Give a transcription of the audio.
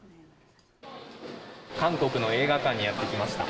韓国の映画館にやって来ました。